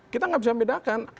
kita nggak bisa membedakan